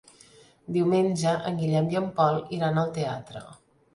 Diumenge en Guillem i en Pol iran al teatre.